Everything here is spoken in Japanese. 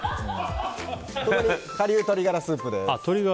ここに顆粒鶏ガラスープです。